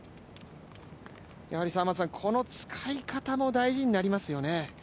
この使い方も大事になりますよね。